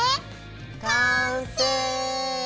完成！